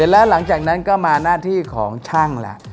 แล้วหลังจากนั้นก็มาหน้าที่ของช่างแหละ